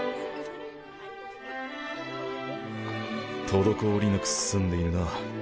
滞りなく進んでいるな。